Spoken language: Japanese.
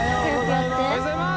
おはようございます。